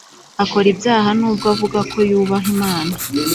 akora ibyaha nubwo avuga ko yubaha imana